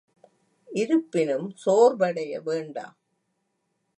இருப்பினும், சோர்வடைய வேண்டாம்.